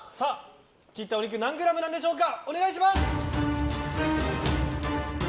切ったお肉何グラムなんでしょうか。